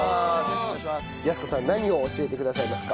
康子さん何を教えてくださいますか？